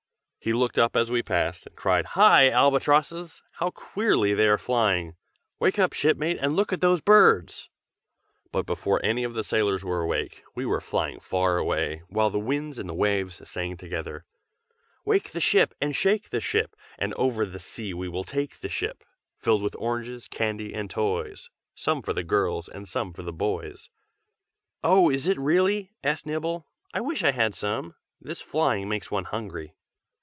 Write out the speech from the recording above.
He looked up as we passed, and cried "Hi! albatrosses! how queerly they are flying! wake up, shipmate, and look at those birds!" But before any of the sailors were awake, we were flying far away, while the Winds and the Waves sang together: "Wake the ship! And shake the ship! And over the sea we will take the ship! Filled with oranges, candy, and toys, Some for the girls and some for the boys." "Oh! is it really?" asked Nibble. "I wish I had some! this flying makes one hungry."